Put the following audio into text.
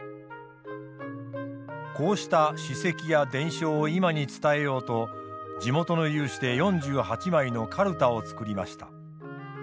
こうした史跡や伝承を今に伝えようと地元の有志で４８枚のかるたを作りました。